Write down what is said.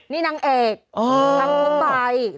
น้างผู้ใบ